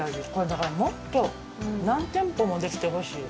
だからもっと、何店舗も出来てほしい。